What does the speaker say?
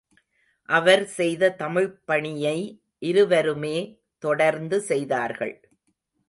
அவர் செய்த தமிழ்ப்பணியை இருவருமே தொடர்ந்து செய்தார்கள்.